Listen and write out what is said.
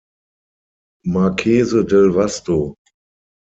Marchese del Vasto.